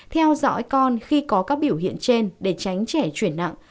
theo dõi con khi có các biểu hiện trên để tránh trẻ chuyển nặng